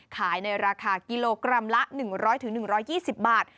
ขายในราคากิโลกรัมละ๑๐๐๑๒๐บาท